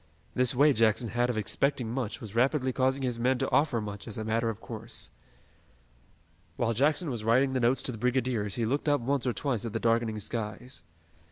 This way Jackson had of expecting much was rapidly causing his men to offer much as a matter of course. While Jackson was writing the notes to the brigadiers he looked up once or twice at the darkening skies.